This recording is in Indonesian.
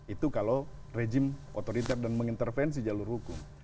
itu kalau rejim otoriter dan mengintervensi jalur hukum